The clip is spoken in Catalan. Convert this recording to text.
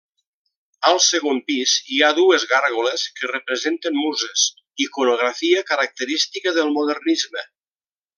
Al segon pis hi ha dues gàrgoles que representen muses, iconografia característica del Modernisme.